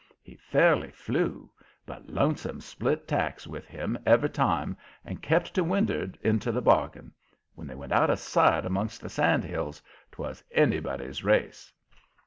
He fairly flew, but Lonesome split tacks with him every time, and kept to wind'ard, into the bargain. When they went out of sight amongst the sand hills 'twas anybody's race.